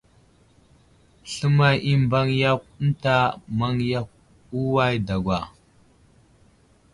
Sləmay i mbaŋ yakw ənta i maŋ yakw uway dagwa ?